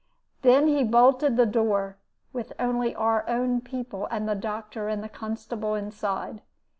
Then he bolted the door, with only our own people and the doctor and the constable inside.